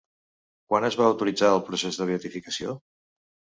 Quan es va autoritzar el procés de beatificació?